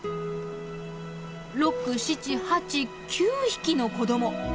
６７８９匹の子ども。